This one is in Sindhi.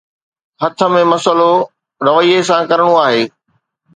هٿ ۾ مسئلو رويي سان ڪرڻو آهي.